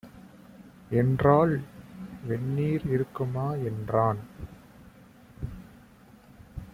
என்றாள். "வெந்நீர் இருக்குமா" என்றான்.